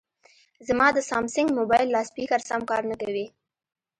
زما د سامسنګ مبایل لاسپیکر سم کار نه کوي